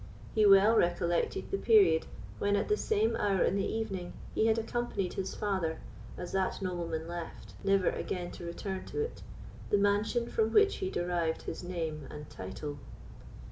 He well recollected the period when, at the same hour in the evening, he had accompanied his father, as that nobleman left, never again to return to it, the mansion from which he derived his name and title.